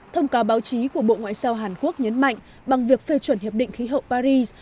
thông cáo báo chí của bộ ngoại giao hàn quốc nhấn mạnh bằng việc phê chuẩn hiệp định khí hậu paris